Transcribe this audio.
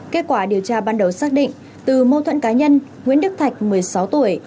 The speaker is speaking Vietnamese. kết quả điều tra ban đầu xác định từ mâu thuẫn cá nhân nguyễn đức thạch một mươi sáu tuổi